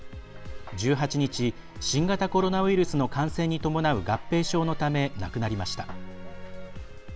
１８日、新型コロナウイルスの感染に伴う合併症のため亡くなりました。